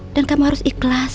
dan kamu harus ikhlas